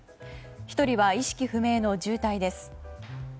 １人は意識不明の重体です。